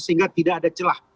sehingga tidak ada celah